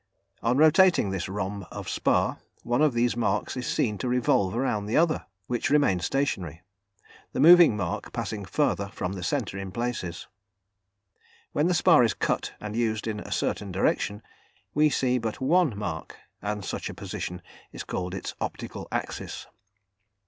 On rotating this rhomb of spar, one of these marks is seen to revolve round the other, which remains stationary, the moving mark passing further from the centre in places. When the spar is cut and used in a certain direction, we see but one mark, and such a position is called its optical axis.